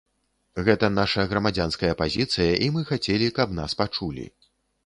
Гэта наша грамадзянская пазіцыя і мы хацелі, каб нас пачулі.